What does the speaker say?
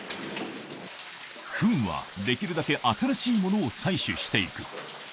ふんはできるだけ新しいものを採取していく。